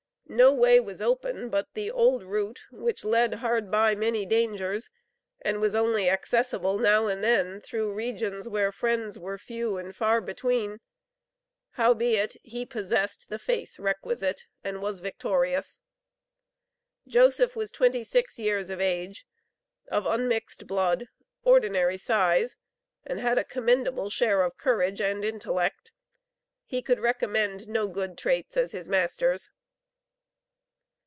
No way was open but the old route, which led "hard by" many dangers, and was only accessible now and then through regions where friends were few and far between. Howbeit he possessed the faith requisite, and was victorious. Joseph was twenty six years of age, of unmixed blood, ordinary size, and had a commendable share of courage and intellect. He could recommend no good traits as his master's.